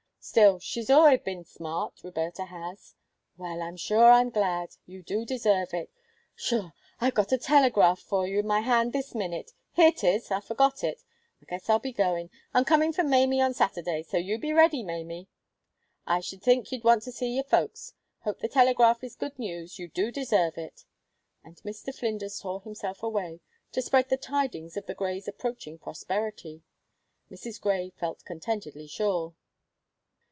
Still, she's al'ays been smart, Roberta has. Well, I'm sure I'm glad; you do deserve it. Sho! I've got a telegraph for you in my hand this minute! Here 'tis; I forgot it. I guess I'll be goin'. I'm comin' for Maimie on Saturday, so you be ready, Maimie. I sh'd think you'd want to see your folks. Hope the telegraph is good news; you do deserve it." And Mr. Flinders tore himself away to spread the tidings of the Greys' approaching prosperity, Mrs. Grey felt contentedly sure.